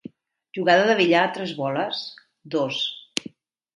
Jugada de billar a tres boles; dos.